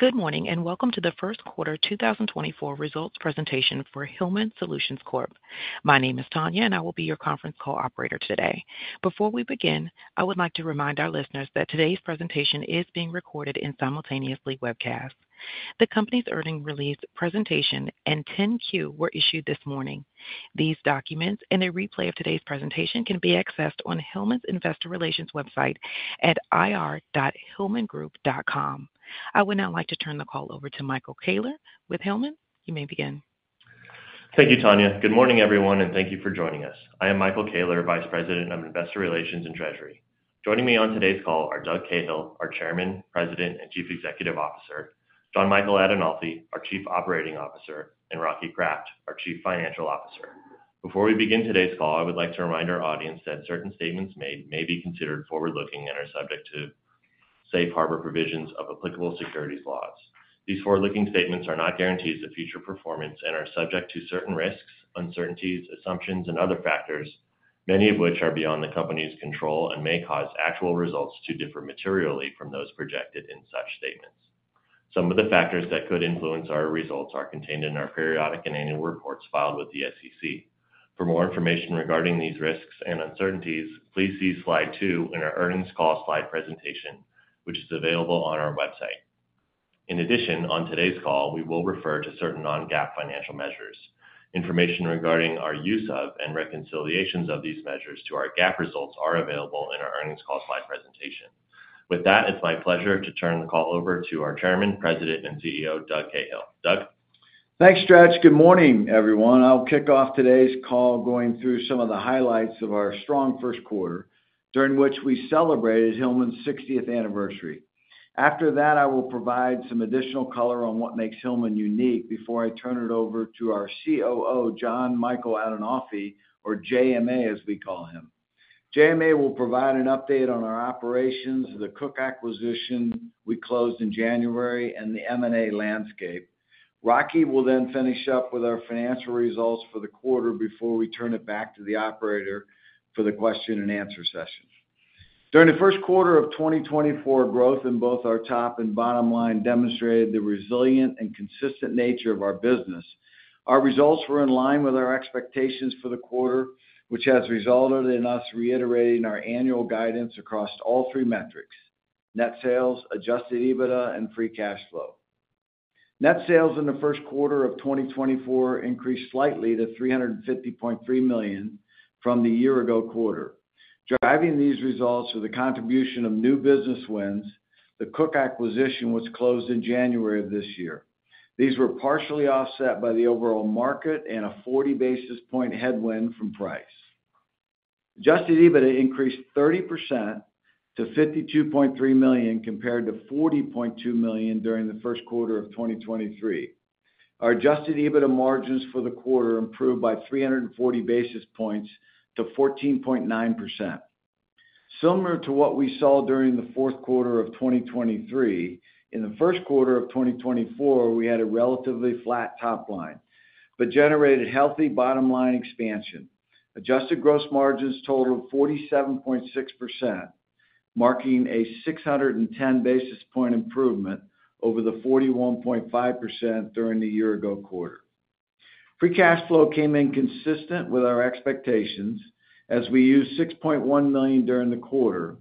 Good morning, and welcome to the first quarter 2024 results presentation for Hillman Solutions Corp. My name is Tanya, and I will be your conference call operator today. Before we begin, I would like to remind our listeners that today's presentation is being recorded and simultaneously webcast. The company's earnings release presentation and 10-Q were issued this morning. These documents and a replay of today's presentation can be accessed on Hillman's Investor Relations website at ir.hillmangroup.com. I would now like to turn the call over to Michael Koehler with Hillman. You may begin. Thank you, Tanya. Good morning, everyone, and thank you for joining us. I am Michael Koehler, Vice President of Investor Relations and Treasury. Joining me on today's call are Doug Cahill, our Chairman, President, and Chief Executive Officer, John Michael Adinolfi, our Chief Operating Officer, and Rocky Kraft, our Chief Financial Officer. Before we begin today's call, I would like to remind our audience that certain statements made may be considered forward-looking and are subject to safe harbor provisions of applicable securities laws. These forward-looking statements are not guarantees of future performance and are subject to certain risks, uncertainties, assumptions, and other factors, many of which are beyond the company's control and may cause actual results to differ materially from those projected in such statements. Some of the factors that could influence our results are contained in our periodic and annual reports filed with the SEC. For more information regarding these risks and uncertainties, please see slide 2 in our earnings call slide presentation, which is available on our website. In addition, on today's call, we will refer to certain non-GAAP financial measures. Information regarding our use of and reconciliations of these measures to our GAAP results are available in our earnings call slide presentation. With that, it's my pleasure to turn the call over to our Chairman, President, and CEO, Doug Cahill. Doug? Thanks, Stretch. Good morning, everyone. I'll kick off today's call going through some of the highlights of our strong first quarter, during which we celebrated Hillman's 60th anniversary. After that, I will provide some additional color on what makes Hillman unique before I turn it over to our COO, Jon Michael Adinolfi, or JMA, as we call him. JMA will provide an update on our operations, the Koch acquisition we closed in January, and the M&A landscape. Rocky will then finish up with our financial results for the quarter before we turn it back to the operator for the question and answer session. During the first quarter of 2024, growth in both our top and bottom line demonstrated the resilient and consistent nature of our business. Our results were in line with our expectations for the quarter, which has resulted in us reiterating our annual guidance across all three metrics: net sales, adjusted EBITDA, and free cash flow. Net sales in the first quarter of 2024 increased slightly to $350.3 million from the year-ago quarter. Driving these results are the contribution of new business wins. The Koch acquisition was closed in January of this year. These were partially offset by the overall market and a 40 basis point headwind from price. Adjusted EBITDA increased 30% to $52.3 million, compared to $40.2 million during the first quarter of 2023. Our adjusted EBITDA margins for the quarter improved by 340 basis points to 14.9%. Similar to what we saw during the fourth quarter of 2023, in the first quarter of 2024, we had a relatively flat top line, but generated healthy bottom line expansion. Adjusted gross margins totaled 47.6%, marking a 610 basis point improvement over the 41.5% during the year-ago quarter. Free cash flow came in consistent with our expectations as we used $6.1 million during the quarter.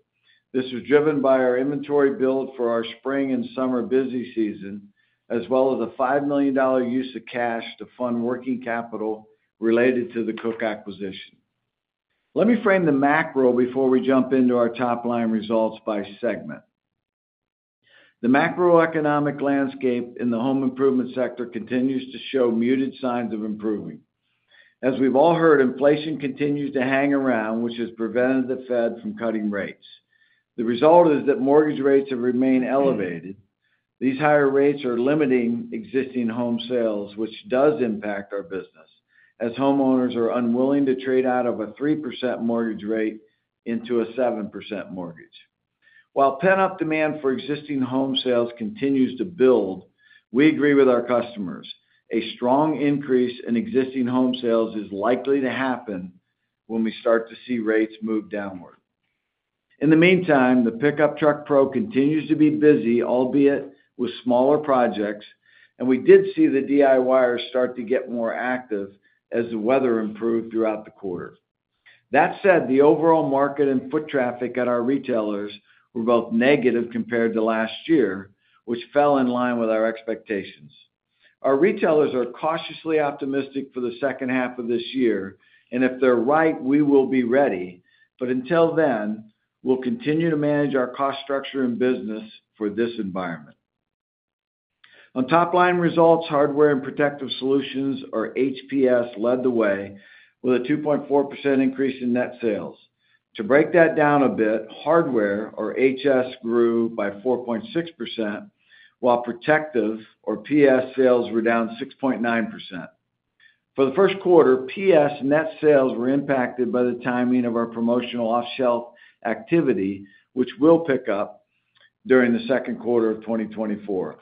This was driven by our inventory build for our spring and summer busy season, as well as a $5 million use of cash to fund working capital related to the Koch acquisition. Let me frame the macro before we jump into our top-line results by segment. The macroeconomic landscape in the home improvement sector continues to show muted signs of improving. As we've all heard, inflation continues to hang around, which has prevented the Fed from cutting rates. The result is that mortgage rates have remained elevated. These higher rates are limiting existing home sales, which does impact our business, as homeowners are unwilling to trade out of a 3% mortgage rate into a 7% mortgage. While pent-up demand for existing home sales continues to build, we agree with our customers. A strong increase in existing home sales is likely to happen when we start to see rates move downward. In the meantime, the pickup truck pro continues to be busy, albeit with smaller projects, and we did see the DIYers start to get more active as the weather improved throughout the quarter. That said, the overall market and foot traffic at our retailers were both negative compared to last year, which fell in line with our expectations. Our retailers are cautiously optimistic for the second half of this year, and if they're right, we will be ready. But until then, we'll continue to manage our cost structure and business for this environment. On top-line results, Hardware and Protective Solutions, or HPS, led the way with a 2.4% increase in net sales. To break that down a bit, Hardware, or HS, grew by 4.6%, while Protective, or PS, sales were down 6.9%. For the first quarter, PS net sales were impacted by the timing of our promotional off-shelf activity, which will pick up during the second quarter of 2024.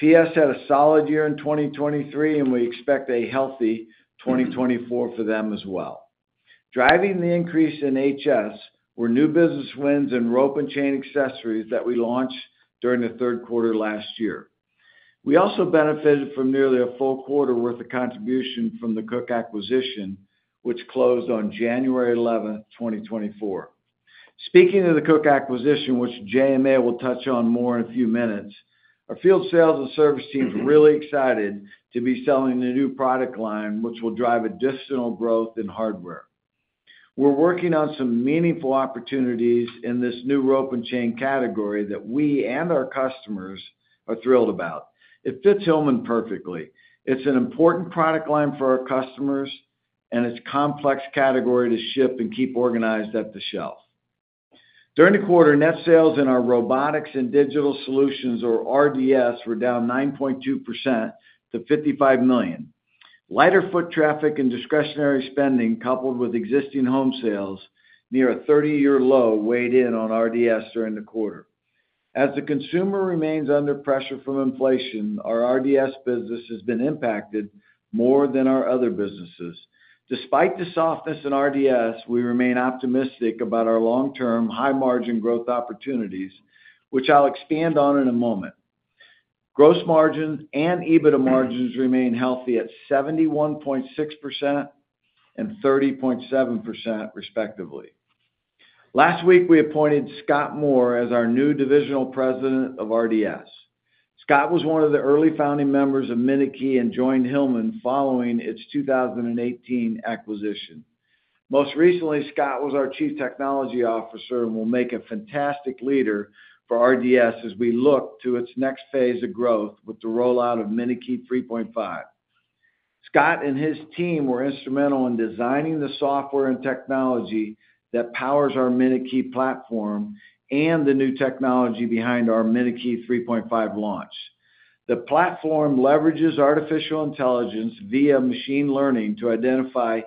PS had a solid year in 2023, and we expect a healthy 2024 for them as well.... Driving the increase in HS were new business wins in rope and chain accessories that we launched during the third quarter last year. We also benefited from nearly a full quarter worth of contribution from the Koch acquisition, which closed on January 11, 2024. Speaking of the Koch acquisition, which JMA will touch on more in a few minutes, our field sales and service teams are really excited to be selling the new product line, which will drive additional growth in hardware. We're working on some meaningful opportunities in this new rope and chain category that we and our customers are thrilled about. It fits Hillman perfectly. It's an important product line for our customers, and it's a complex category to ship and keep organized at the shelf. During the quarter, net sales in our Robotics and Digital Solutions, or RDS, were down 9.2% to $55 million. Lighter foot traffic and discretionary spending, coupled with existing home sales near a 30-year low, weighed in on RDS during the quarter. As the consumer remains under pressure from inflation, our RDS business has been impacted more than our other businesses. Despite the softness in RDS, we remain optimistic about our long-term, high-margin growth opportunities, which I'll expand on in a moment. Gross margins and EBITDA margins remain healthy at 71.6% and 30.7%, respectively. Last week, we appointed Scott Moore as our new Divisional President of RDS. Scott was one of the early founding members of MinuteKey and joined Hillman following its 2018 acquisition. Most recently, Scott was our Chief Technology Officer and will make a fantastic leader for RDS as we look to its next phase of growth with the rollout of MinuteKey 3.5. Scott and his team were instrumental in designing the software and technology that powers our MinuteKey platform and the new technology behind our MinuteKey 3.5 launch. The platform leverages artificial intelligence via machine learning to identify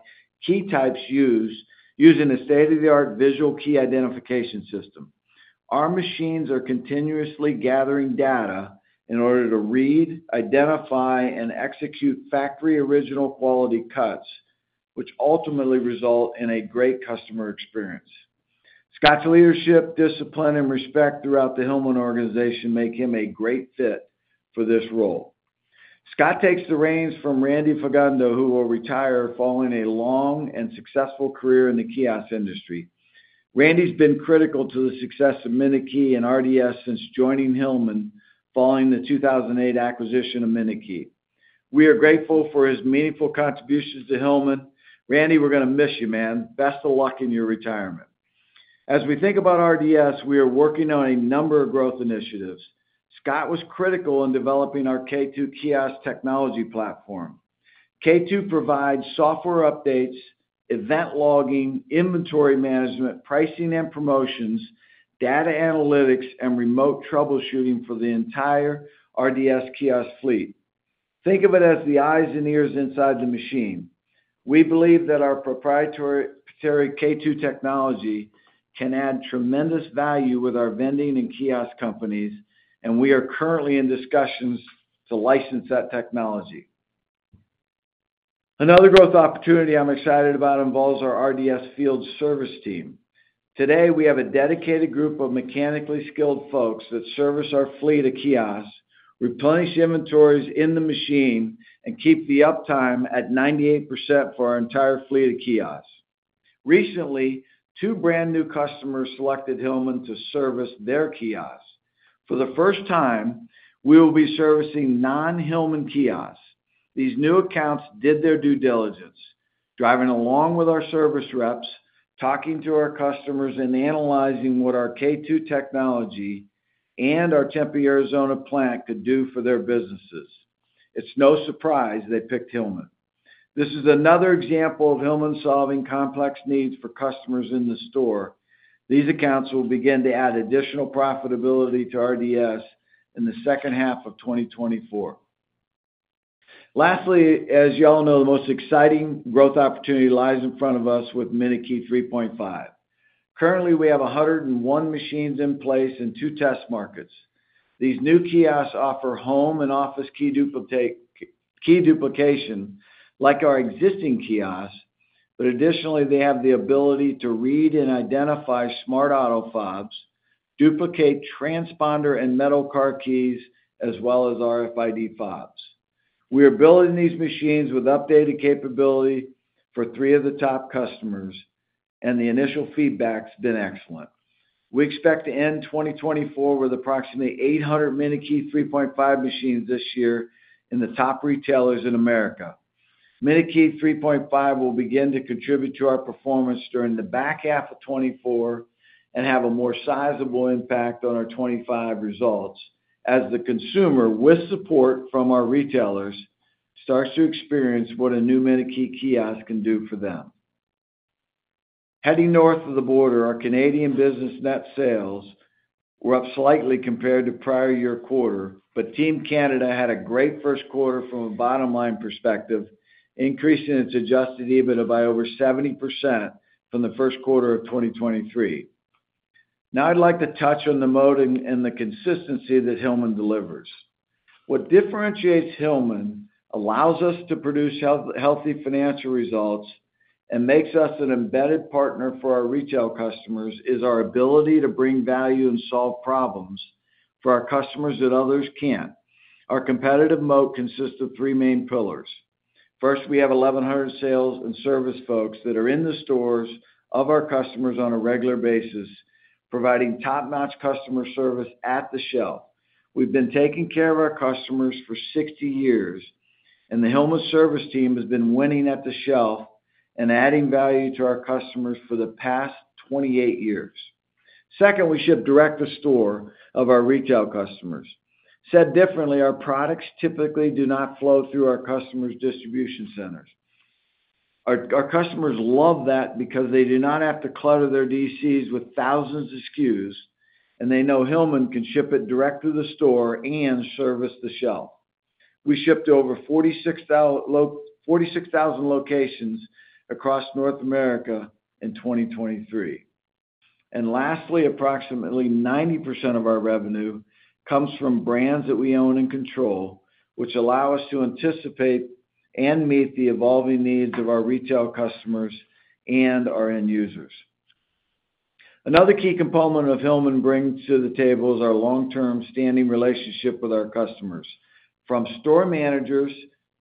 key types used, using a state-of-the-art visual key identification system. Our machines are continuously gathering data in order to read, identify, and execute factory-original quality cuts, which ultimately result in a great customer experience. Scott's leadership, discipline, and respect throughout the Hillman organization make him a great fit for this role. Scott takes the reins from Randy Fagundo, who will retire following a long and successful career in the kiosk industry. Randy's been critical to the success of MinuteKey and RDS since joining Hillman following the 2008 acquisition of MinuteKey. We are grateful for his meaningful contributions to Hillman. Randy, we're gonna miss you, man. Best of luck in your retirement. As we think about RDS, we are working on a number of growth initiatives. Scott was critical in developing our K2 kiosk technology platform. K2 provides software updates, event logging, inventory management, pricing and promotions, data analytics, and remote troubleshooting for the entire RDS kiosk fleet. Think of it as the eyes and ears inside the machine. We believe that our proprietary K2 technology can add tremendous value with our vending and kiosk companies, and we are currently in discussions to license that technology. Another growth opportunity I'm excited about involves our RDS field service team. Today, we have a dedicated group of mechanically skilled folks that service our fleet of kiosks, replenish inventories in the machine, and keep the uptime at 98% for our entire fleet of kiosks. Recently, two brand-new customers selected Hillman to service their kiosks. For the first time, we will be servicing non-Hillman kiosks. These new accounts did their due diligence, driving along with our service reps, talking to our customers, and analyzing what our K2 technology and our Tempe, Arizona plant could do for their businesses. It's no surprise they picked Hillman. This is another example of Hillman solving complex needs for customers in the store. These accounts will begin to add additional profitability to RDS in the second half of 2024. Lastly, as you all know, the most exciting growth opportunity lies in front of us with MinuteKey 3.5. Currently, we have 101 machines in place in two test markets. These new kiosks offer home and office key duplication, like our existing kiosks, but additionally, they have the ability to read and identify smart auto fobs, duplicate transponder and metal car keys, as well as RFID fobs. We are building these machines with updated capability for three of the top customers, and the initial feedback's been excellent. We expect to end 2024 with approximately 800 MinuteKey 3.5 machines this year in the top retailers in America. MinuteKey 3.5 will begin to contribute to our performance during the back half of 2024 and have a more sizable impact on our 2025 results as the consumer, with support from our retailers, starts to experience what a new MinuteKey kiosk can do for them. Heading north of the border, our Canadian business net sales were up slightly compared to prior year quarter, but Team Canada had a great first quarter from a bottom-line perspective, increasing its adjusted EBITDA by over 70% from the first quarter of 2023. Now I'd like to touch on the moat and the consistency that Hillman delivers. What differentiates Hillman, allows us to produce healthy financial results, and makes us an embedded partner for our retail customers, is our ability to bring value and solve problems for our customers that others can't. Our competitive moat consists of three main pillars. First, we have 1,100 sales and service folks that are in the stores of our customers on a regular basis, providing top-notch customer service at the shelf. We've been taking care of our customers for 60 years, and the Hillman service team has been winning at the shelf and adding value to our customers for the past 28 years. Second, we ship direct to store of our retail customers. Said differently, our products typically do not flow through our customers' distribution centers. Our customers love that because they do not have to clutter their DCs with thousands of SKUs, and they know Hillman can ship it direct to the store and service the shelf. We shipped to over 46,000 locations across North America in 2023. And lastly, approximately 90% of our revenue comes from brands that we own and control, which allow us to anticipate and meet the evolving needs of our retail customers and our end users. Another key component of Hillman brings to the table is our long-term standing relationship with our customers. From store managers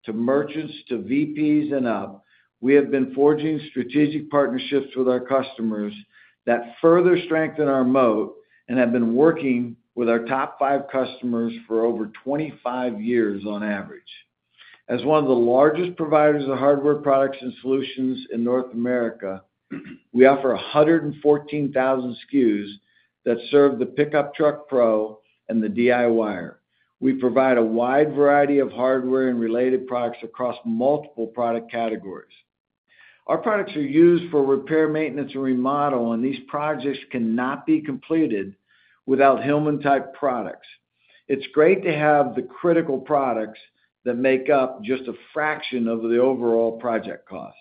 to merchants, to VPs and up, we have been forging strategic partnerships with our customers that further strengthen our moat and have been working with our top five customers for over 25 years on average. As one of the largest providers of hardware products and solutions in North America, we offer 114,000 SKUs that serve the pickup truck pro and the DIY-er. We provide a wide variety of hardware and related products across multiple product categories. Our products are used for repair, maintenance, and remodel, and these projects cannot be completed without Hillman-type products. It's great to have the critical products that make up just a fraction of the overall project cost.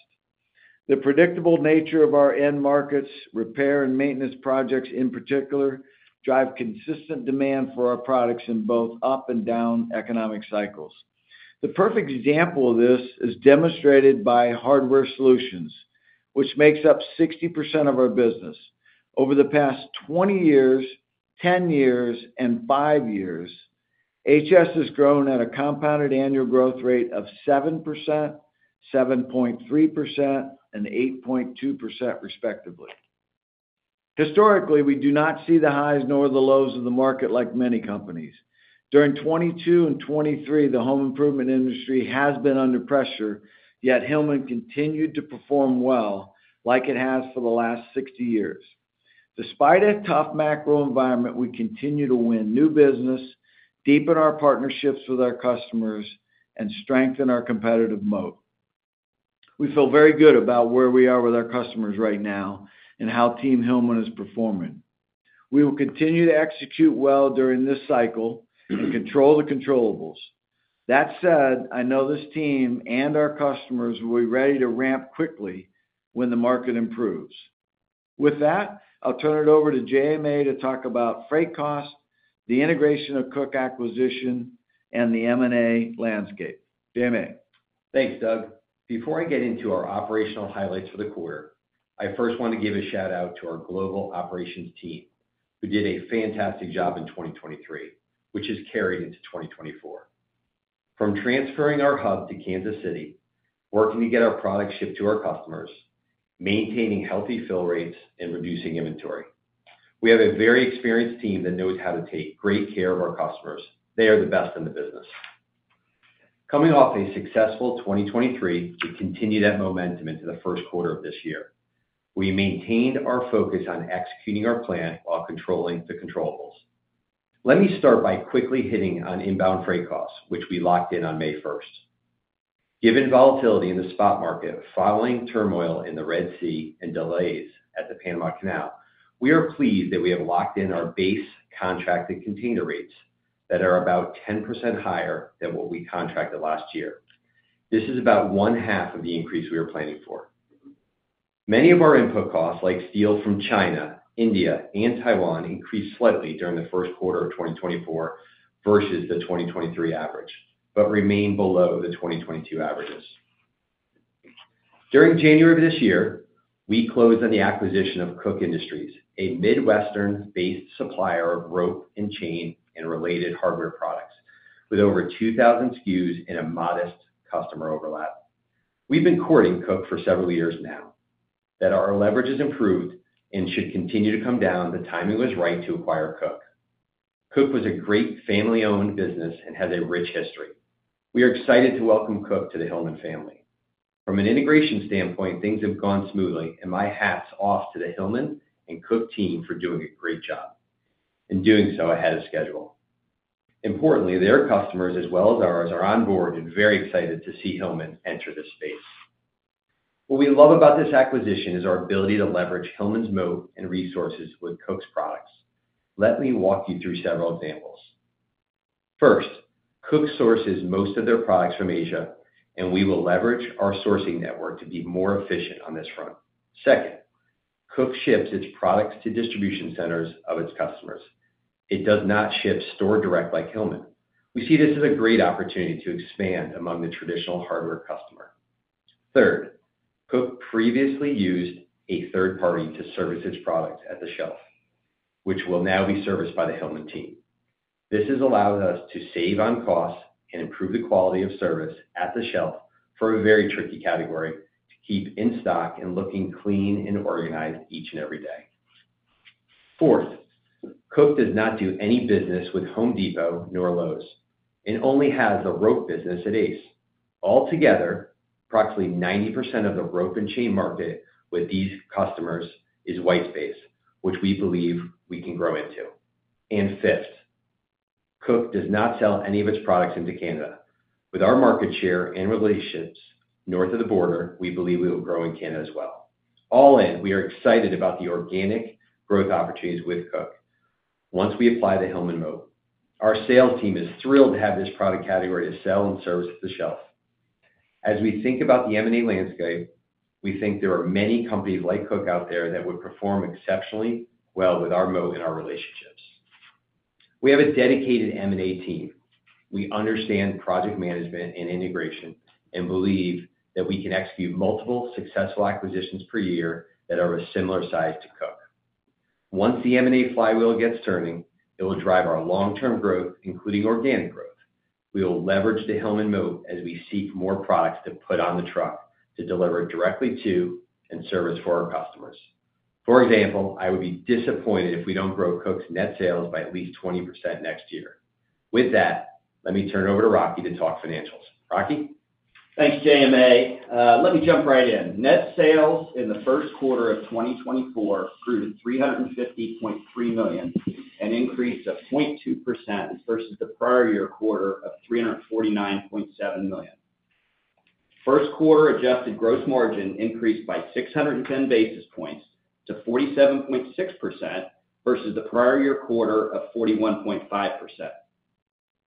The predictable nature of our end markets, repair and maintenance projects in particular, drive consistent demand for our products in both up and down economic cycles. The perfect example of this is demonstrated by Hardware Solutions, which makes up 60% of our business. Over the past 20 years, 10 years, and 5 years, HS has grown at a compounded annual growth rate of 7%, 7.3%, and 8.2%, respectively. Historically, we do not see the highs nor the lows of the market like many companies. During 2022 and 2023, the home improvement industry has been under pressure, yet Hillman continued to perform well like it has for the last 60 years. Despite a tough macro environment, we continue to win new business, deepen our partnerships with our customers, and strengthen our competitive moat. We feel very good about where we are with our customers right now and how Team Hillman is performing. We will continue to execute well during this cycle and control the controllables. That said, I know this team and our customers will be ready to ramp quickly when the market improves. With that, I'll turn it over to JMA to talk about freight costs, the integration of Koch Acquisition, and the M&A landscape. JMA? Thanks, Doug. Before I get into our operational highlights for the quarter, I first want to give a shout-out to our global operations team, who did a fantastic job in 2023, which has carried into 2024. From transferring our hub to Kansas City, working to get our products shipped to our customers, maintaining healthy fill rates, and reducing inventory. We have a very experienced team that knows how to take great care of our customers. They are the best in the business. Coming off a successful 2023, we continued that momentum into the first quarter of this year. We maintained our focus on executing our plan while controlling the controllables. Let me start by quickly hitting on inbound freight costs, which we locked in on May first. Given volatility in the spot market, following turmoil in the Red Sea and delays at the Panama Canal, we are pleased that we have locked in our base contracted container rates that are about 10% higher than what we contracted last year. This is about one half of the increase we were planning for. Many of our input costs, like steel from China, India, and Taiwan, increased slightly during the first quarter of 2024 versus the 2023 average, but remain below the 2022 averages. During January of this year, we closed on the acquisition of Koch Industries, a Midwestern-based supplier of rope and chain and related hardware products, with over 2,000 SKUs and a modest customer overlap. We've been courting Koch for several years now. That our leverage is improved and should continue to come down, the timing was right to acquire Koch. Koch was a great family-owned business and has a rich history. We are excited to welcome Koch to the Hillman family. From an integration standpoint, things have gone smoothly, and my hat's off to the Hillman and Koch team for doing a great job, and doing so ahead of schedule. Importantly, their customers, as well as ours, are on board and very excited to see Hillman enter this space. What we love about this acquisition is our ability to leverage Hillman's moat and resources with Koch's products. Let me walk you through several examples.... First, Koch sources most of their products from Asia, and we will leverage our sourcing network to be more efficient on this front. Second, Koch ships its products to distribution centers of its customers. It does not ship store direct like Hillman. We see this as a great opportunity to expand among the traditional hardware customer. Third, Koch previously used a third party to service its products at the shelf, which will now be serviced by the Hillman team. This has allowed us to save on costs and improve the quality of service at the shelf for a very tricky category to keep in stock and looking clean and organized each and every day. Fourth, Koch does not do any business with Home Depot nor Lowe's, and only has a rope business at Ace. Altogether, approximately 90% of the rope and chain market with these customers is white space, which we believe we can grow into. And fifth, Koch does not sell any of its products into Canada. With our market share and relationships north of the border, we believe we will grow in Canada as well. All in, we are excited about the organic growth opportunities with Koch once we apply the Hillman moat. Our sales team is thrilled to have this product category to sell and service at the shelf. As we think about the M&A landscape, we think there are many companies like Koch out there that would perform exceptionally well with our mode and our relationships. We have a dedicated M&A team. We understand project management and integration, and believe that we can execute multiple successful acquisitions per year that are of a similar size to Koch. Once the M&A flywheel gets turning, it will drive our long-term growth, including organic growth. We will leverage the Hillman mode as we seek more products to put on the truck to deliver directly to and service for our customers. For example, I would be disappointed if we don't grow Koch's net sales by at least 20% next year. With that, let me turn over to Rocky to talk financials. Rocky? Thanks, JMA. Let me jump right in. Net sales in the first quarter of 2024 grew to $350.3 million, an increase of 0.2% versus the prior year quarter of $349.7 million. First quarter adjusted gross margin increased by 610 basis points to 47.6% versus the prior year quarter of 41.5%.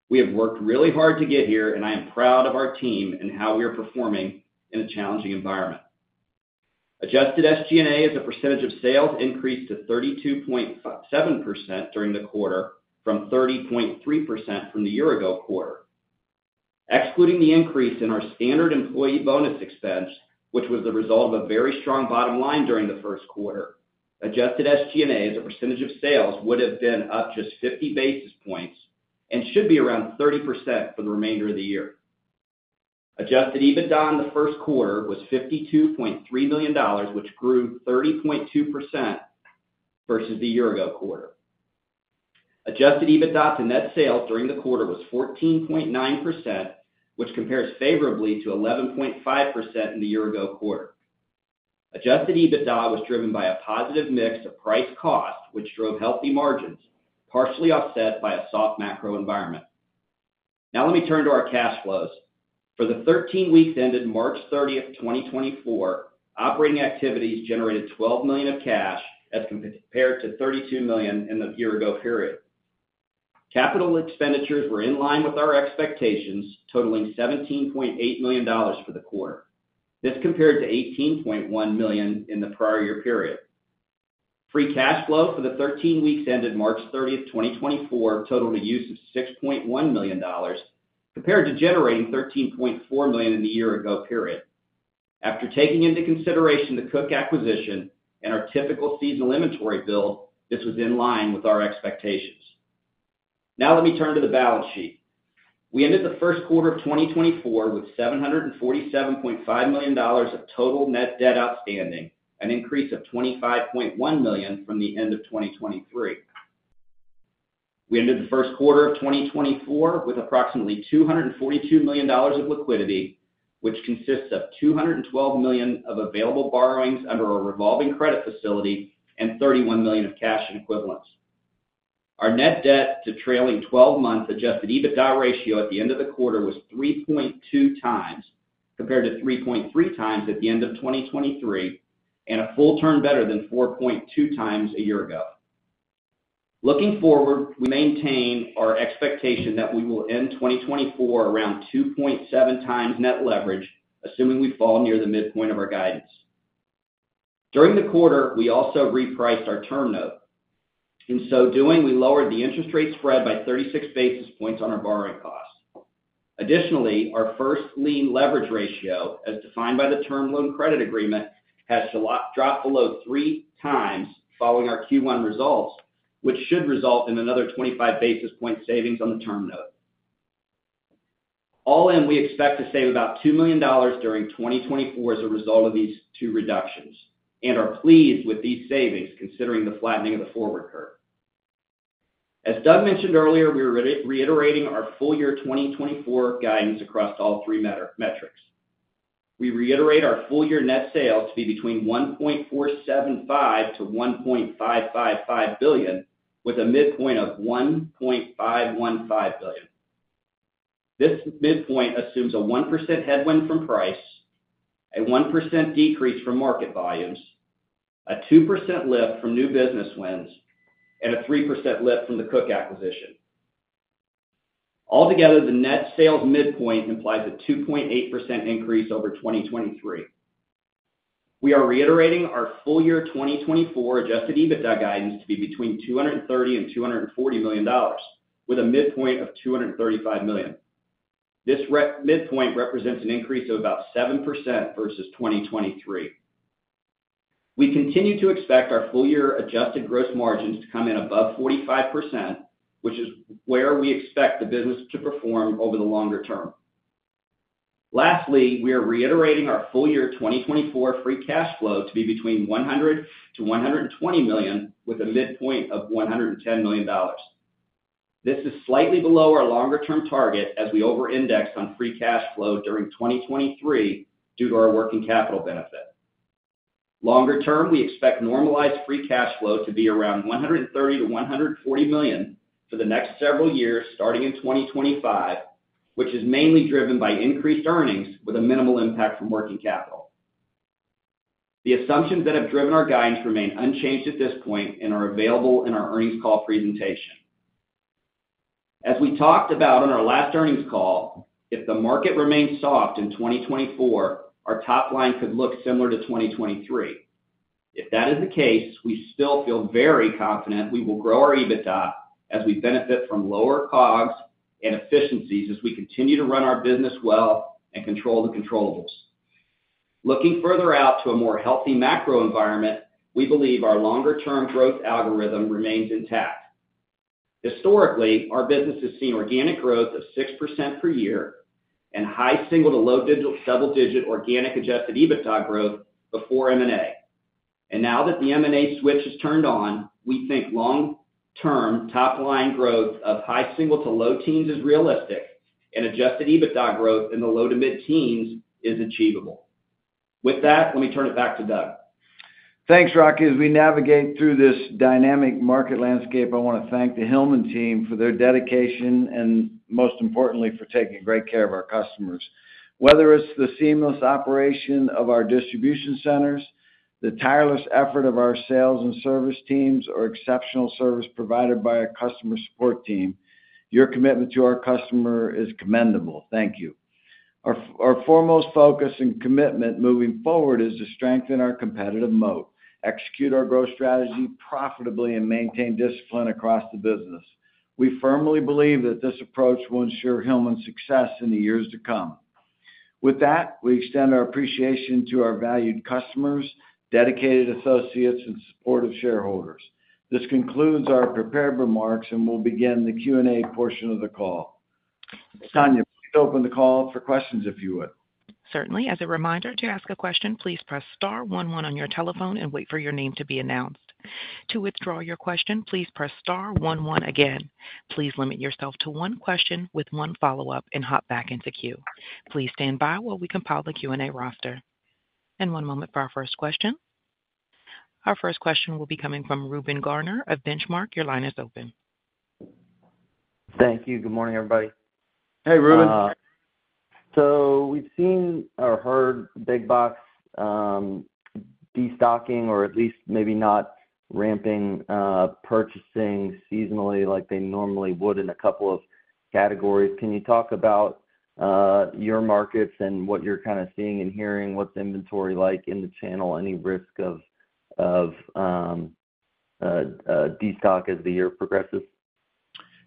We have worked really hard to get here, and I am proud of our team and how we are performing in a challenging environment. Adjusted SG&A as a percentage of sales increased to 32.7% during the quarter, from 30.3% from the year ago quarter. Excluding the increase in our standard employee bonus expense, which was the result of a very strong bottom line during the first quarter, Adjusted SG&A as a percentage of sales would have been up just 50 basis points and should be around 30% for the remainder of the year. Adjusted EBITDA in the first quarter was $52.3 million, which grew 30.2% versus the year ago quarter. Adjusted EBITDA to net sales during the quarter was 14.9%, which compares favorably to 11.5% in the year ago quarter. Adjusted EBITDA was driven by a positive mix of price cost, which drove healthy margins, partially offset by a soft macro environment. Now let me turn to our cash flows. For the 13 weeks ended March 30, 2024, operating activities generated $12 million of cash as compared to $32 million in the year ago period. Capital expenditures were in line with our expectations, totaling $17.8 million for the quarter. This compared to $18.1 million in the prior year period. Free cash flow for the 13 weeks ended March 30, 2024, totaled a use of $6.1 million, compared to generating $13.4 million in the year ago period. After taking into consideration the Koch acquisition and our typical seasonal inventory build, this was in line with our expectations. Now let me turn to the balance sheet. We ended the first quarter of 2024 with $747.5 million of total net debt outstanding, an increase of $25.1 million from the end of 2023. We ended the first quarter of 2024 with approximately $242 million of liquidity, which consists of $212 million of available borrowings under a revolving credit facility and $31 million of cash and equivalents. Our net debt to trailing twelve months Adjusted EBITDA ratio at the end of the quarter was 3.2 times, compared to 3.3 times at the end of 2023, and a full turn better than 4.2 times a year ago. Looking forward, we maintain our expectation that we will end 2024 around 2.7 times net leverage, assuming we fall near the midpoint of our guidance. During the quarter, we also repriced our term note. In so doing, we lowered the interest rate spread by 36 basis points on our borrowing costs. Additionally, our first lien leverage ratio, as defined by the term loan credit agreement, has also dropped below 3 times following our Q1 results, which should result in another 25 basis points savings on the term note. All in, we expect to save about $2 million during 2024 as a result of these two reductions and are pleased with these savings considering the flattening of the forward curve. As Doug mentioned earlier, we are reiterating our full year 2024 guidance across all three metrics. We reiterate our full year net sales to be between $1.475 billion-$1.555 billion, with a midpoint of $1.515 billion. This midpoint assumes a 1% headwind from price, a 1% decrease from market volumes, a 2% lift from new business wins, and a 3% lift from the Koch acquisition. Altogether, the net sales midpoint implies a 2.8% increase over 2023. We are reiterating our full year 2024 adjusted EBITDA guidance to be between $230 million and $240 million, with a midpoint of $235 million. This midpoint represents an increase of about 7% versus 2023. We continue to expect our full year adjusted gross margins to come in above 45%, which is where we expect the business to perform over the longer term. Lastly, we are reiterating our full year 2024 free cash flow to be between $100 million-$120 million, with a midpoint of $110 million. This is slightly below our longer-term target as we over-indexed on free cash flow during 2023 due to our working capital benefit. Longer term, we expect normalized free cash flow to be around $130 million-$140 million for the next several years, starting in 2025, which is mainly driven by increased earnings with a minimal impact from working capital. The assumptions that have driven our guidance remain unchanged at this point and are available in our earnings call presentation. As we talked about on our last earnings call, if the market remains soft in 2024, our top line could look similar to 2023. If that is the case, we still feel very confident we will grow our EBITDA as we benefit from lower COGS and efficiencies as we continue to run our business well and control the controllables. Looking further out to a more healthy macro environment, we believe our longer-term growth algorithm remains intact. Historically, our business has seen organic growth of 6% per year and high single- to low double-digit organic adjusted EBITDA growth before M&A. And now that the M&A switch is turned on, we think long-term top line growth of high single- to low teens is realistic and adjusted EBITDA growth in the low- to mid-teens is achievable. With that, let me turn it back to Doug. Thanks, Rocky. As we navigate through this dynamic market landscape, I want to thank the Hillman team for their dedication and most importantly, for taking great care of our customers. Whether it's the seamless operation of our distribution centers, the tireless effort of our sales and service teams, or exceptional service provided by our customer support team, your commitment to our customer is commendable. Thank you. Our foremost focus and commitment moving forward is to strengthen our competitive moat, execute our growth strategy profitably, and maintain discipline across the business. We firmly believe that this approach will ensure Hillman's success in the years to come. With that, we extend our appreciation to our valued customers, dedicated associates, and supportive shareholders. This concludes our prepared remarks, and we'll begin the Q&A portion of the call. Tanya, please open the call for questions, if you would. Certainly. As a reminder, to ask a question, please press star one one on your telephone and wait for your name to be announced. To withdraw your question, please press star one one again. Please limit yourself to one question with one follow-up and hop back into queue. Please stand by while we compile the Q&A roster. One moment for our first question. Our first question will be coming from Reuben Garner of Benchmark. Your line is open. Thank you. Good morning, everybody. Hey, Reuben. So we've seen or heard big box destocking, or at least maybe not ramping purchasing seasonally like they normally would in a couple of categories. Can you talk about your markets and what you're kind of seeing and hearing, what's the inventory like in the channel? Any risk of destock as the year progresses?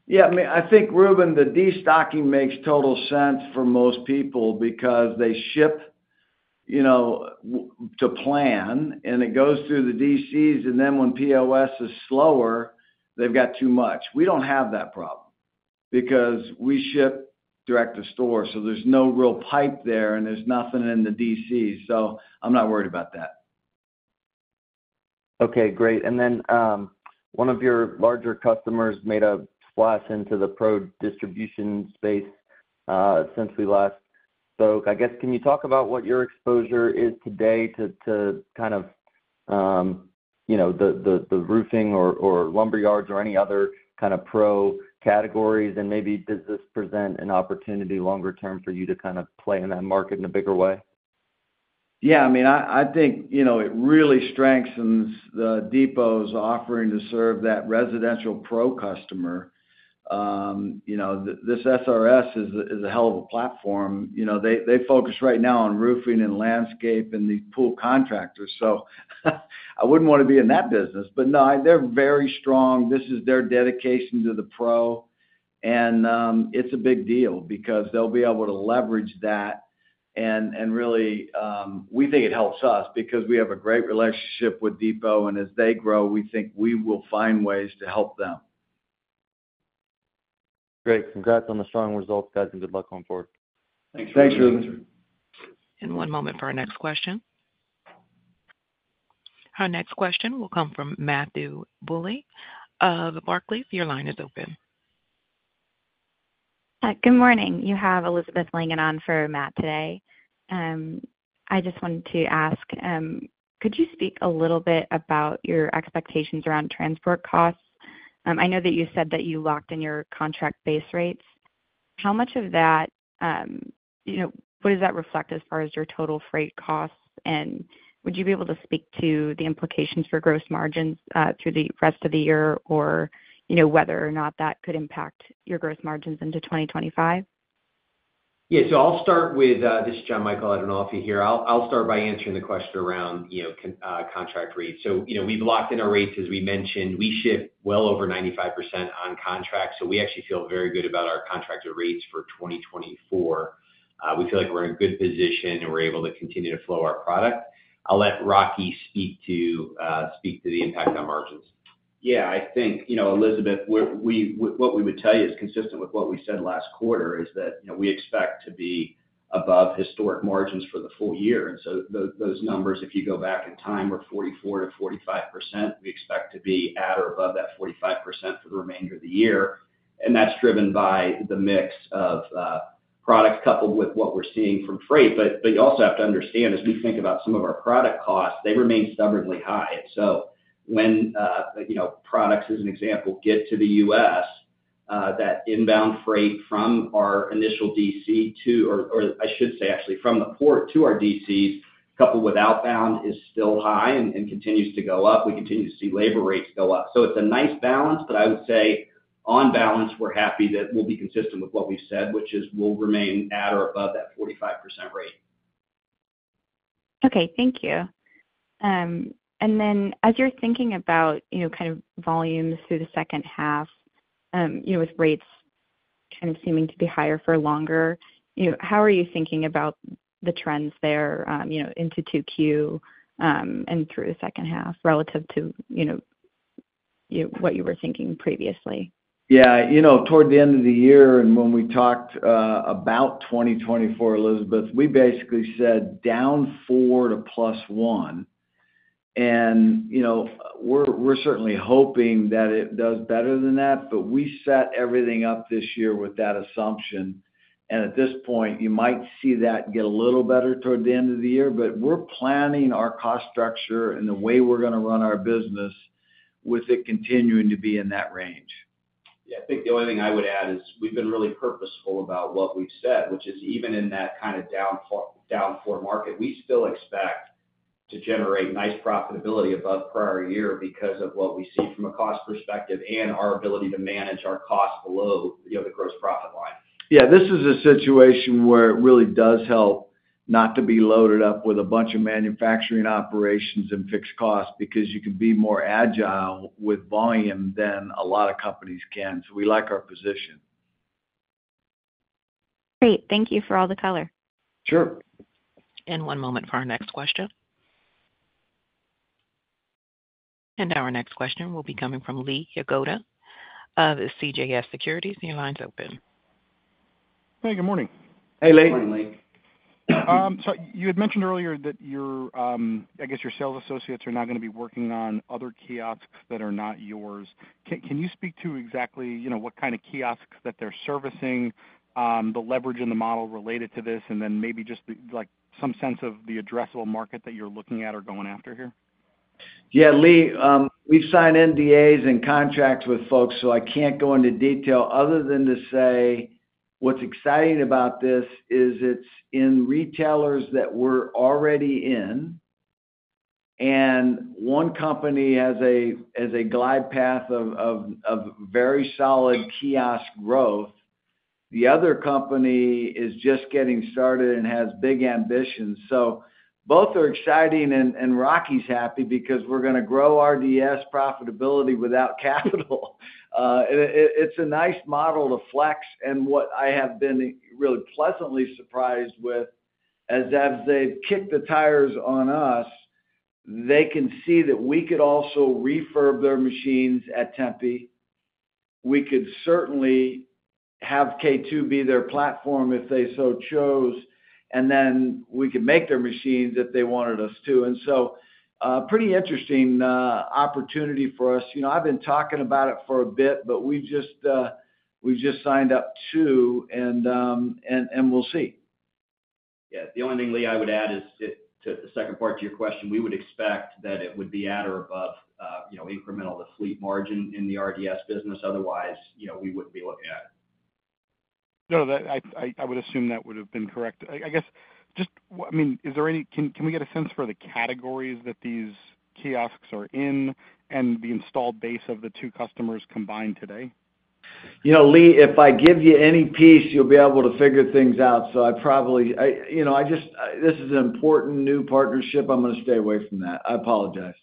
Yeah, I mean, I think, Reuben, the destocking makes total sense for most people because they ship, you know, to plan, and it goes through the DCs, and then when POS is slower, they've got too much. We don't have that problem because we ship direct to store, so there's no real pipe there, and there's nothing in the DC, so I'm not worried about that. Okay, great. And then, one of your larger customers made a splash into the pro distribution space, since we last spoke. I guess, can you talk about what your exposure is today to kind of, you know, the roofing or lumberyards or any other kind of pro categories? And maybe does this present an opportunity longer term for you to kind of play in that market in a bigger way? Yeah, I mean, I think, you know, it really strengthens the Depot's offering to serve that residential pro customer. You know, this SRS is a hell of a platform. You know, they focus right now on roofing and landscape and the pool contractors, so I wouldn't want to be in that business. But no, they're very strong. This is their dedication to the pro, and it's a big deal because they'll be able to leverage that. And really, we think it helps us because we have a great relationship with Depot, and as they grow, we think we will find ways to help them. Great. Congrats on the strong results, guys, and good luck going forward. Thanks, Reuben. One moment for our next question. Our next question will come from Matthew Bouley of Barclays. Your line is open. Good morning. You have Elizabeth Langan on for Matt today. I just wanted to ask, could you speak a little bit about your expectations around transport costs? I know that you said that you locked in your contract base rates. How much of that, you know, what does that reflect as far as your total freight costs? And would you be able to speak to the implications for gross margins through the rest of the year, or, you know, whether or not that could impact your gross margins into 2025? Yeah, so I'll start with, this is John Michael, I don't know if you hear. I'll start by answering the question around, you know, contract rates. So, you know, we've locked in our rates. As we mentioned, we ship well over 95% on contract, so we actually feel very good about our contracted rates for 2024. We feel like we're in a good position, and we're able to continue to flow our product. I'll let Rocky speak to the impact on margins. Yeah, I think, you know, Elizabeth, what we would tell you is consistent with what we said last quarter, is that, you know, we expect to be above historic margins for the full year. So those numbers, if you go back in time, were 44%-45%. We expect to be at or above that 45% for the remainder of the year, and that's driven by the mix of product, coupled with what we're seeing from freight. But you also have to understand, as we think about some of our product costs, they remain stubbornly high. So when, you know, products, as an example, get to the U.S., that inbound freight from our initial DC to... I should say, actually, from the port to our DCs, coupled with outbound, is still high and continues to go up. We continue to see labor rates go up. So it's a nice balance, but I would say, on balance, we're happy that we'll be consistent with what we've said, which is we'll remain at or above that 45% rate. Okay, thank you. And then as you're thinking about, you know, kind of volumes through the second half, you know, with rates kind of seeming to be higher for longer, you know, how are you thinking about the trends there, you know, into 2Q, and through the second half, relative to, you know, what you were thinking previously? Yeah, you know, toward the end of the year and when we talked about 2024, Elizabeth, we basically said down 4 to plus 1. You know, we're certainly hoping that it does better than that, but we set everything up this year with that assumption, and at this point, you might see that get a little better toward the end of the year. But we're planning our cost structure and the way we're gonna run our business with it continuing to be in that range. Yeah, I think the only thing I would add is we've been really purposeful about what we've said, which is even in that kind of down 4 market, we still expect to generate nice profitability above prior year because of what we see from a cost perspective and our ability to manage our costs below, you know, the gross profit line. Yeah, this is a situation where it really does help not to be loaded up with a bunch of manufacturing operations and fixed costs, because you can be more agile with volume than a lot of companies can. So we like our position. Great. Thank you for all the color. Sure. One moment for our next question. Now our next question will be coming from Lee Jagoda of CJS Securities. Your line's open. Hey, good morning. Hey, Lee. Good morning, Lee. So you had mentioned earlier that your, I guess, your sales associates are now gonna be working on other kiosks that are not yours. Can you speak to exactly, you know, what kind of kiosks that they're servicing, the leverage in the model related to this, and then maybe just the, like, some sense of the addressable market that you're looking at or going after here? Yeah, Lee, we've signed NDAs and contracts with folks, so I can't go into detail other than to say, what's exciting about this is it's in retailers that we're already in, and one company has a glide path of very solid kiosk growth. The other company is just getting started and has big ambitions. So both are exciting and Rocky's happy because we're gonna grow RDS profitability without capital. It's a nice model to flex, and what I have been really pleasantly surprised with is, as they've kicked the tires on us, they can see that we could also refurb their machines at Tempe. We could certainly have K2 be their platform if they so chose, and then we could make their machines if they wanted us to. And so, pretty interesting opportunity for us. You know, I've been talking about it for a bit, but we've just signed up two, and we'll see. Yeah. The only thing, Lee, I would add is it to the second part of your question, we would expect that it would be at or above, you know, incremental to fleet margin in the RDS business. Otherwise, you know, we wouldn't be looking at it. No, that... I would assume that would have been correct. I guess, just, I mean, can we get a sense for the categories that these kiosks are in and the installed base of the two customers combined today? You know, Lee, if I give you any piece, you'll be able to figure things out, so I'd probably... you know, This is an important new partnership. I'm gonna stay away from that. I apologize.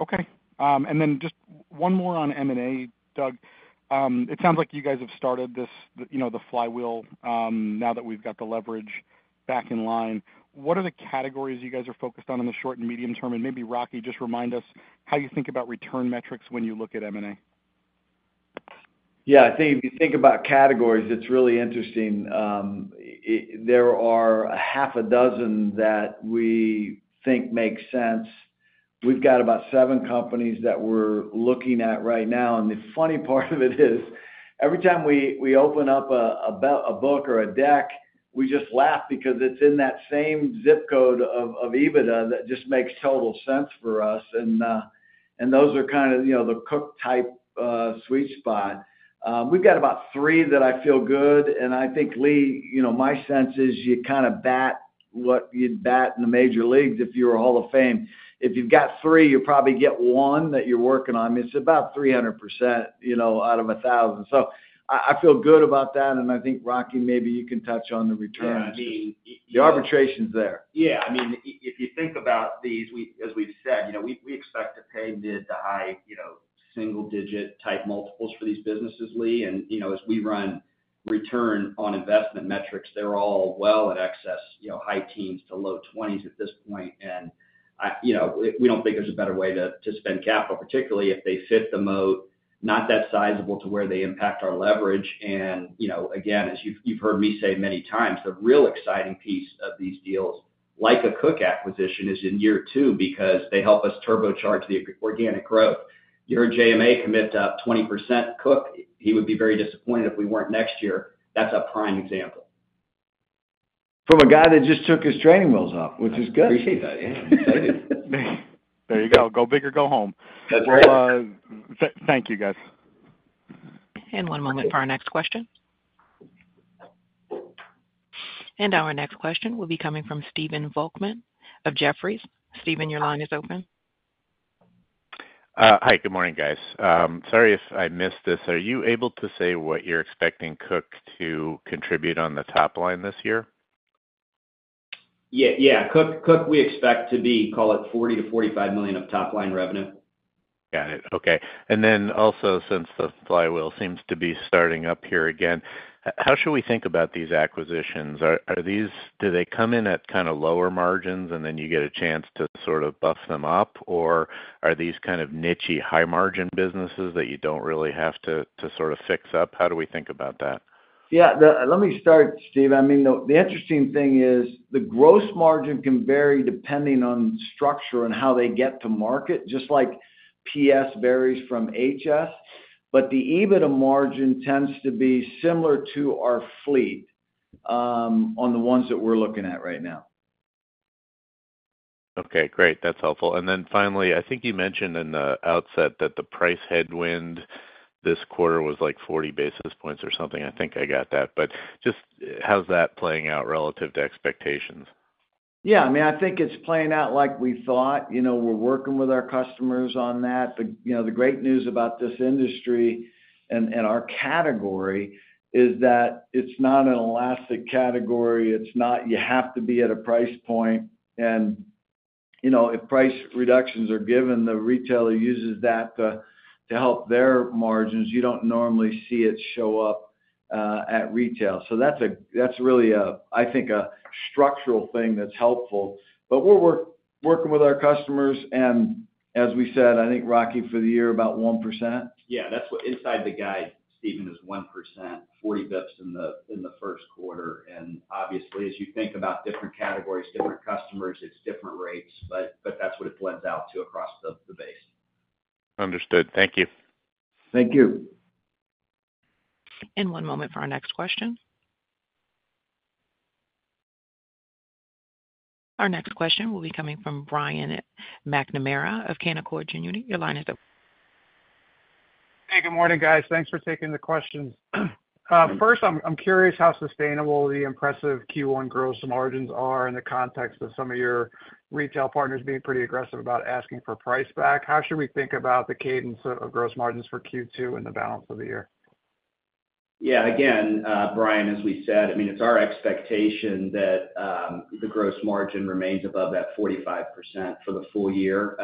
Okay. And then just one more on M&A, Doug. It sounds like you guys have started this, you know, the flywheel, now that we've got the leverage back in line. What are the categories you guys are focused on in the short and medium term? And maybe Rocky, just remind us how you think about return metrics when you look at M&A. Yeah, I think if you think about categories, it's really interesting. There are a half a dozen that we think make sense. We've got about 7 companies that we're looking at right now. And the funny part of it is, every time we open up a book or a deck, we just laugh because it's in that same ZIP code of EBITDA that just makes total sense for us. And those are kind of, you know, the Koch-type sweet spot. We've got about three that I feel good, and I think, Lee, you know, my sense is you kind of bat what you'd bat in the Major Leagues if you were a Hall of Fame. If you've got three, you'll probably get one that you're working on. It's about 300%, you know, out of 1,000. So I feel good about that, and I think, Rocky, maybe you can touch on the returns. Yeah, I mean- The arbitration's there. Yeah. I mean, if you think about these, we, as we've said, you know, we expect to pay mid- to high- single-digit type multiples for these businesses, Lee. And, you know, as we run return on investment metrics, they're all well in excess, you know, high teens-low 20s at this point. And I—you know, we don't think there's a better way to spend capital, particularly if they fit the moat, not that sizable to where they impact our leverage. And, you know, again, as you've heard me say many times, the real exciting piece of these deals, like a Koch acquisition, is in year two, because they help us turbocharge the organic growth. You heard JMA commit to up 20% Koch. He would be very disappointed if we weren't next year. That's a prime example. From a guy that just took his training wheels off, which is good. I appreciate that. Yeah, excited. There you go. Go big or go home. That's right. Well, thank you, guys. One moment for our next question. Our next question will be coming from Stephen Volkmann of Jefferies. Stephen, your line is open. Hi, good morning, guys. Sorry if I missed this. Are you able to say what you're expecting Koch to contribute on the top line this year? Yeah, yeah. Koch, Koch, we expect to be, call it $40 million-$45 million of top line revenue. Got it. Okay. And then also, since the flywheel seems to be starting up here again, how should we think about these acquisitions? Are these—do they come in at kind of lower margins, and then you get a chance to sort of buff them up? Or are these kind of niche-y, high-margin businesses that you don't really have to sort of fix up? How do we think about that? Yeah, let me start, Steve. I mean, the interesting thing is, the gross margin can vary depending on structure and how they get to market, just like PS varies from HS, but the EBITDA margin tends to be similar to our fleet on the ones that we're looking at right now. Okay, great. That's helpful. And then finally, I think you mentioned in the outset that the price headwind this quarter was, like, 40 basis points or something. I think I got that. But just, how's that playing out relative to expectations? Yeah, I mean, I think it's playing out like we thought. You know, we're working with our customers on that. The great news about this industry and our category is that it's not an elastic category. It's not, you have to be at a price point. And, you know, if price reductions are given, the retailer uses that to help their margins. You don't normally see it show up at retail. So that's really a, I think, a structural thing that's helpful. But we're working with our customers, and as we said, I think, Rocky, for the year, about 1%. Yeah, that's what inside the guide, Stephen, is 1%, 40 basis points in the first quarter. And obviously, as you think about different categories, different customers, it's different rates, but that's what it blends out to across the base. Understood. Thank you. Thank you. One moment for our next question. Our next question will be coming from Brian McNamara of Canaccord Genuity. Your line is open. Hey, good morning, guys. Thanks for taking the questions. First, I'm curious how sustainable the impressive Q1 gross margins are in the context of some of your retail partners being pretty aggressive about asking for price back? How should we think about the cadence of gross margins for Q2 and the balance of the year? Yeah, again, Brian, as we said, I mean, it's our expectation that the gross margin remains above that 45% for the full year.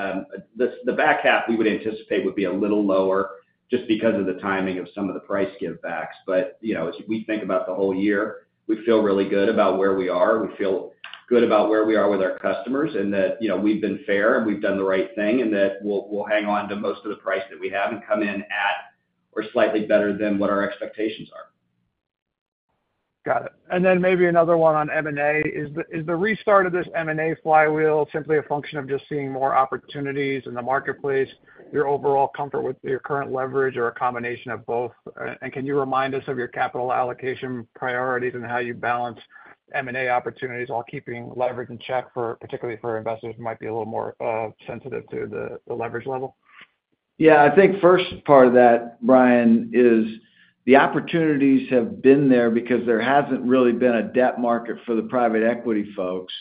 The back half, we would anticipate, would be a little lower just because of the timing of some of the price give backs. But, you know, as we think about the whole year, we feel really good about where we are. We feel good about where we are with our customers, and that, you know, we've been fair, and we've done the right thing, and that we'll hang on to most of the price that we have and come in at or slightly better than what our expectations are. Got it. And then maybe another one on M&A. Is the restart of this M&A flywheel simply a function of just seeing more opportunities in the marketplace, your overall comfort with your current leverage, or a combination of both? And can you remind us of your capital allocation priorities and how you balance M&A opportunities while keeping leverage in check, particularly for investors who might be a little more sensitive to the leverage level? Yeah, I think first part of that, Brian, is the opportunities have been there because there hasn't really been a debt market for the private equity folks.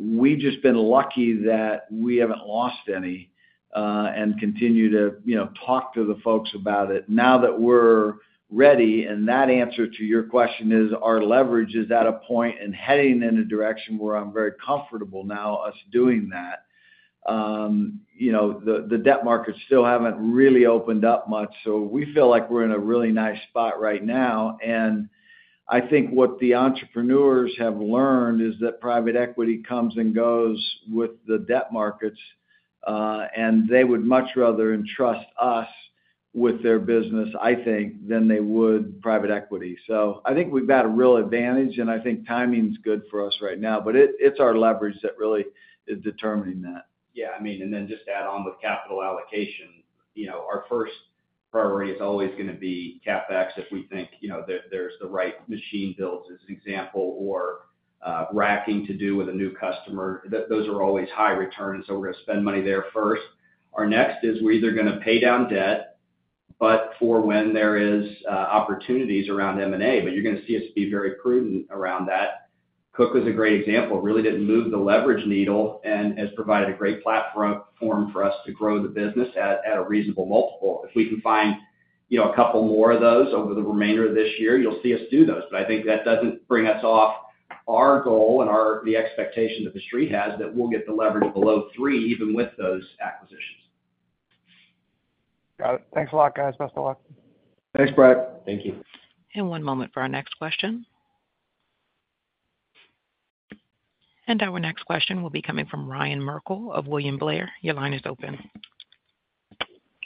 We've just been lucky that we haven't lost any, and continue to, you know, talk to the folks about it. Now that we're ready, and that answer to your question is, our leverage is at a point and heading in a direction where I'm very comfortable now, us doing that. You know, the debt markets still haven't really opened up much, so we feel like we're in a really nice spot right now. And I think what the entrepreneurs have learned is that private equity comes and goes with the debt markets, and they would much rather entrust us with their business, I think, than they would private equity. I think we've got a real advantage, and I think timing's good for us right now, but it, it's our leverage that really is determining that. Yeah, I mean, and then just to add on with capital allocation, you know, our first priority is always gonna be CapEx, if we think, you know, there, there's the right machine builds, as an example, or racking to do with a new customer. Those are always high returns, so we're gonna spend money there first. Our next is we're either gonna pay down debt, but for when there is opportunities around M&A, but you're gonna see us be very prudent around that. Koch was a great example, really didn't move the leverage needle and has provided a great platform for us to grow the business at a reasonable multiple. If we can find, you know, a couple more of those over the remainder of this year, you'll see us do those. But I think that doesn't bring us off our goal and the expectation that the Street has, that we'll get the leverage below three, even with those acquisitions. Got it. Thanks a lot, guys. Best of luck. Thanks, Brian. Thank you. One moment for our next question. Our next question will be coming from Ryan Merkel of William Blair. Your line is open.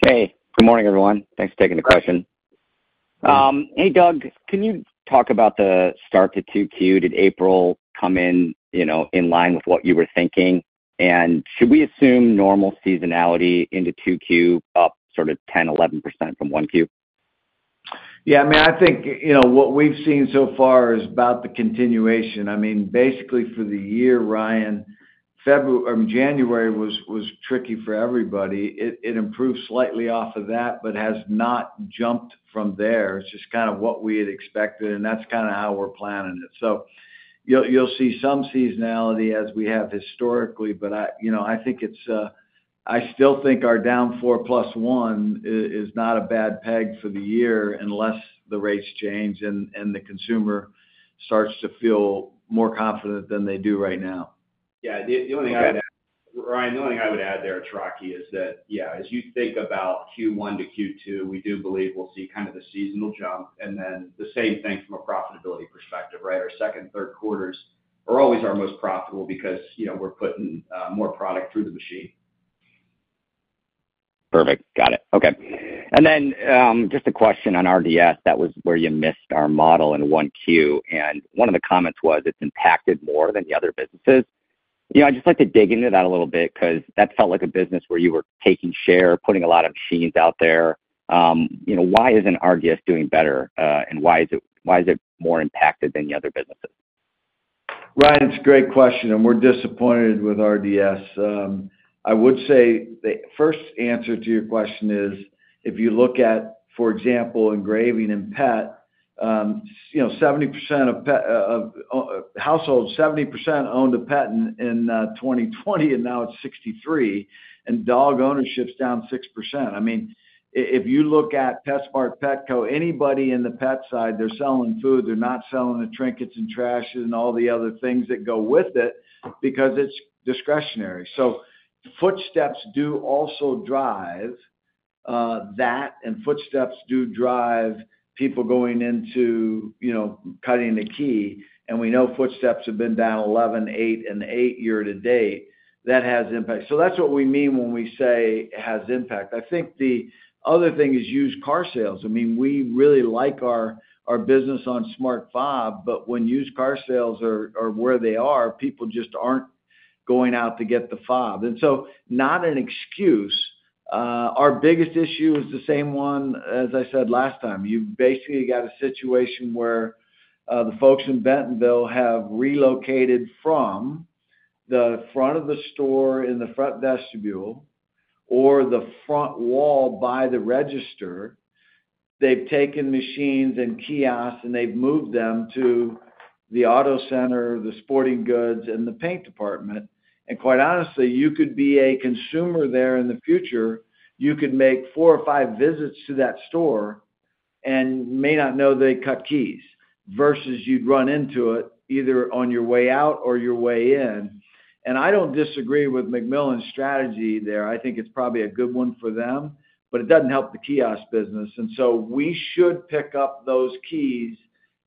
Hey, good morning, everyone. Thanks for taking the question. Hey, Doug, can you talk about the start to 2Q? Did April come in, you know, in line with what you were thinking? And should we assume normal seasonality into 2Q, up sort of 10%-11% from 1Q? Yeah, I mean, I think, you know, what we've seen so far is about the continuation. I mean, basically for the year, Ryan, January was tricky for everybody. It improved slightly off of that, but has not jumped from there. It's just kind of what we had expected, and that's kind of how we're planning it. So you'll see some seasonality, as we have historically, but I, you know, I think it's... I still think our down 4 plus 1 is not a bad peg for the year, unless the rates change and the consumer starts to feel more confident than they do right now. Yeah, the only thing I'd add, Ryan, the only thing I would add there, it's Rocky, is that, yeah, as you think about Q1 to Q2, we do believe we'll see kind of the seasonal jump, and then the same thing from a profitability perspective, right? Our second and third quarters are always our most profitable because, you know, we're putting more product through the machine. Perfect. Got it. Okay. And then, just a question on RDS. That was where you missed our model in 1Q, and one of the comments was it's impacted more than the other businesses. You know, I'd just like to dig into that a little bit, 'cause that felt like a business where you were taking share, putting a lot of machines out there. You know, why isn't RDS doing better, and why is it, why is it more impacted than the other businesses? Ryan, it's a great question, and we're disappointed with RDS. I would say the first answer to your question is, if you look at, for example, engraving in pet, you know, 70% of pet-owning households owned a pet in 2020, and now it's 63%, and dog ownership's down 6%. I mean, if you look at PetSmart, Petco, anybody in the pet side, they're selling food, they're not selling the trinkets and trash and all the other things that go with it, because it's discretionary. So footsteps do also drive that, and footsteps do drive people going into, you know, cutting the key. And we know footsteps have been down 11, 8, and 8 year to date. That has impact. So that's what we mean when we say it has impact. I think the other thing is used car sales. I mean, we really like our, our business on Smart Fob, but when used car sales are, are where they are, people just aren't going out to get the fob. And so not an excuse. Our biggest issue is the same one as I said last time. You've basically got a situation where, the folks in Bentonville have relocated from the front of the store in the front vestibule or the front wall by the register. They've taken machines and kiosks, and they've moved them to the auto center, the sporting goods, and the paint department. And quite honestly, you could be a consumer there in the future, you could make four or five visits to that store and may not know they cut keys, versus you'd run into it, either on your way out or your way in. I don't disagree with McMillon’s strategy there. I think it's probably a good one for them, but it doesn't help the kiosk business. So we should pick up those keys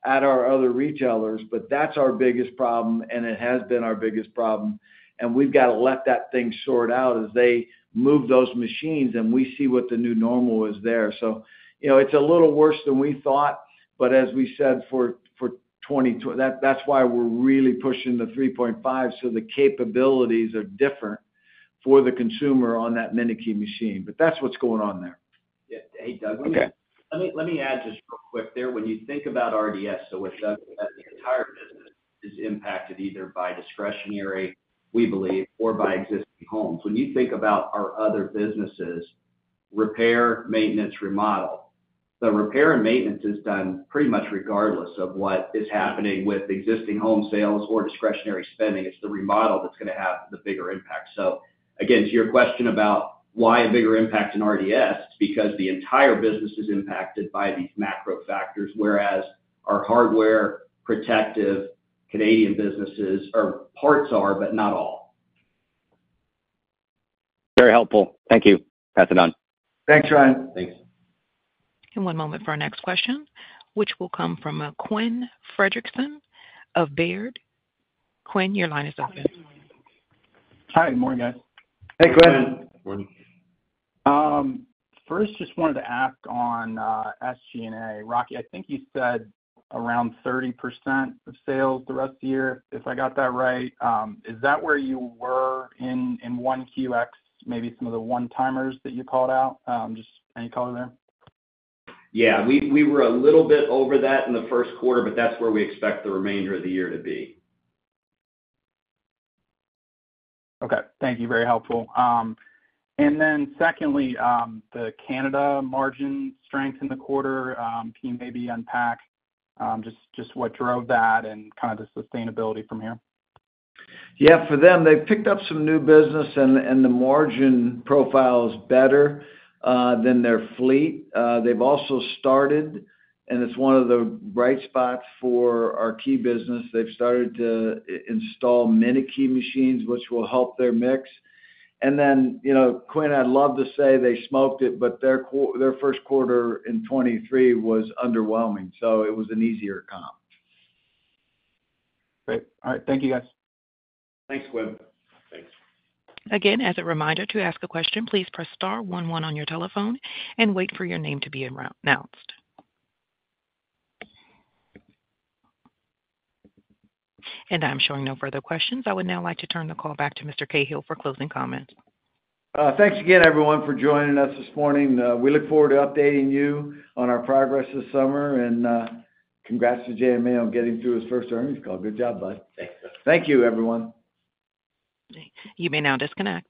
at our other retailers, but that's our biggest problem, and it has been our biggest problem, and we've got to let that thing sort out as they move those machines, and we see what the new normal is there. So, you know, it's a little worse than we thought, but as we said, for 2022, that's why we're really pushing the 3.5, so the capabilities are different for the consumer on that MinuteKey machine. But that's what's going on there. Yeah. Hey, Doug- Okay. Let me, let me add just real quick there. When you think about RDS, so what Doug said, the entire business is impacted either by discretionary, we believe, or by existing homes. When you think about our other businesses, repair, maintenance, remodel, the repair and maintenance is done pretty much regardless of what is happening with existing home sales or discretionary spending. It's the remodel that's gonna have the bigger impact. So again, to your question about why a bigger impact in RDS, it's because the entire business is impacted by these macro factors, whereas our Hardware, Protective Canadian businesses are parts are, but not all. Very helpful. Thank you. Pass it on. Thanks, Ryan. Thanks. One moment for our next question, which will come from Quinn Fredrickson of Baird. Quinn, your line is open. Hi, good morning, guys. Hey, Quinn. Good morning. First, just wanted to ask on SG&A. Rocky, I think you said around 30% of sales the rest of the year, if I got that right. Is that where you were in 1Q, maybe some of the one-timers that you called out? Just any color there? Yeah, we were a little bit over that in the first quarter, but that's where we expect the remainder of the year to be. Okay. Thank you. Very helpful. And then secondly, the Canada margin strength in the quarter, can you maybe unpack just what drove that and kind of the sustainability from here? Yeah, for them, they've picked up some new business and the margin profile is better than their fleet. They've also started, and it's one of the bright spots for our key business. They've started to install MinuteKey machines, which will help their mix. And then, you know, Quinn, I'd love to say they smoked it, but their first quarter in 2023 was underwhelming, so it was an easier comp. Great. All right. Thank you, guys. Thanks, Quinn. Thanks. Again, as a reminder, to ask a question, please press star one one on your telephone and wait for your name to be announced. I'm showing no further questions. I would now like to turn the call back to Mr. Cahill for closing comments. Thanks again, everyone, for joining us this morning. We look forward to updating you on our progress this summer, and congrats to JMA on getting through his first earnings call. Good job, bud. Thanks, Doug. Thank you, everyone. You may now disconnect.